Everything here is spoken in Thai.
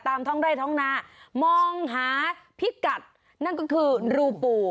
ท้องไร่ท้องนามองหาพิกัดนั่นก็คือรูปู